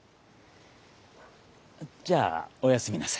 じゃあおやすみなさい。